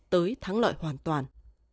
tới thắng loại hoàn toàn